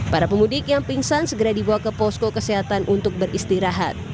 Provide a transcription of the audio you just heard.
para pemudik yang pingsan segera dibawa ke posko kesehatan untuk beristirahat